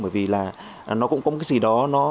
bởi vì nó cũng có một cái gì đó